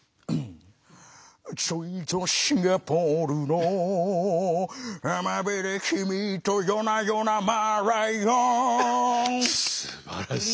ちょいとシンガポールの浜辺で君と夜な夜なマーライオンすばらしい。